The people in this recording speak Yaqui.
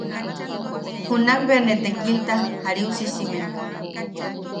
Junak bea ne tekilta jariusisimen.